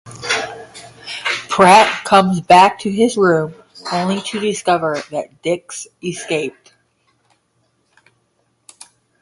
Pratt comes back to his room, only to discover that Dix escaped.